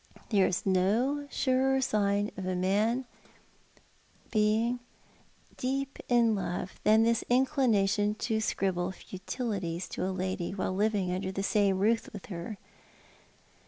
There is no surer sign of a man being 200 Thoti art the Alan. deep in love than this inclination to scribble futilities to a lady while living under Ihe same roof with her.